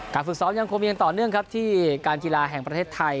ฝึกซ้อมยังคงยังต่อเนื่องครับที่การกีฬาแห่งประเทศไทย